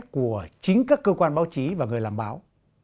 của chính các cơ quan báo chí và người làm báo